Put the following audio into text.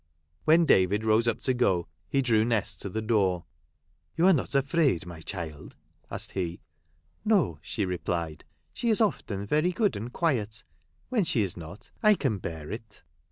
When David rose up to go, he drew Nest to the door. " You are not afraid, my child ?" asked he. " No," she replied. " She is often very good and quiet. When she is not, I can bear it."